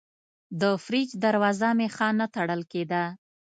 د فریج دروازه مې ښه نه تړل کېده.